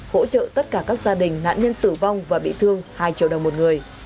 hỗ trợ tất cả các gia đình nạn nhân tử vong và bị thương hai triệu đồng một người